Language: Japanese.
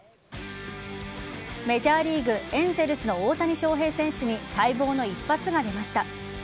メジャーリーグ・エンゼルスの大谷翔平選手に待望の一発が出ました。